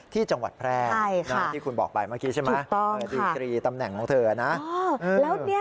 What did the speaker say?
ที่จังหวัดแพร่ที่คุณบอกไปเมื่อกี้ใช่ไหมดีกรีตำแหน่งของเธอนะ